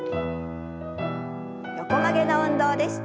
横曲げの運動です。